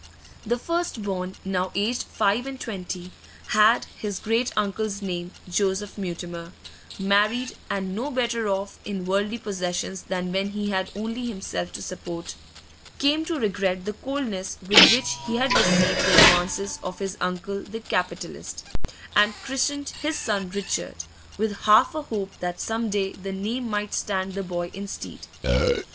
The first born, now aged five and twenty, had his great uncle's name; Joseph Mutimer, married, and no better off in worldly possessions than when he had only himself to support, came to regret the coldness with which he had received the advances of his uncle the capitalist, and christened his son Richard, with half a hope that some day the name might stand the boy in stead.